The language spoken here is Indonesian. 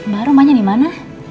mbak rumahnya di mana